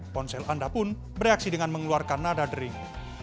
ponsel anda pun bereaksi dengan mengeluarkan nada dering